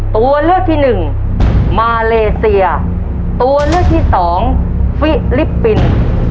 ตัวเลือกที่หนึ่งมาเลเซียตัวเลือกที่สองฟิลิปปินส์